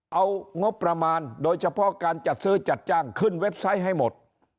เอางบประมาณโดยเฉพาะการจัดซื้อจัดจ้างขึ้นเว็บไซต์ให้หมด